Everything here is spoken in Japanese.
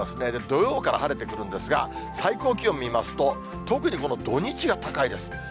土曜から晴れてくるんですが、最高気温見ますと、特にこの土日が高いです。